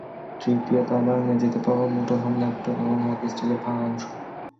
তৃতীয় তলার মেঝেতে পাওয়া যায় মুঠোফোন, ল্যাপটপ এবং হকিস্টিকের ভাঙা অংশ।